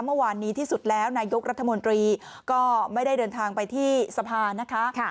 เมื่อวานนี้ที่สุดแล้วนายกรัฐมนตรีก็ไม่ได้เดินทางไปที่สภานะคะ